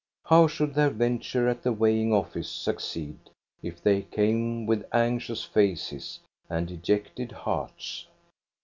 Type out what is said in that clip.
How should their venture at the weigh ing office succeed if they came with anxious faces and dejected hearts?